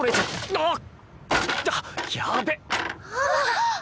あっ。